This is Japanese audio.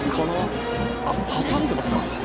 挟んでますか。